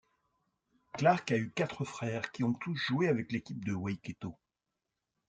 Clarke a eu quatre frères qui ont tous joué avec l’équipe de Waikato.